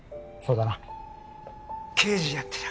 そうだな刑事やっ